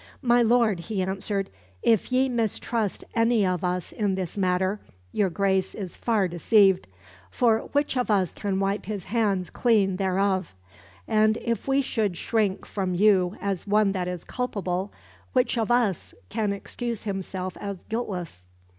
"My Lord," he answered, "if ye mistrust any of us in this matter your Grace is far deceived. For which of us can wipe his hands clean thereof? And if we should shrink from you as one that is culpable, which of us can excuse himself as guiltless?